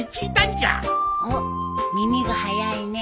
おっ耳が早いね。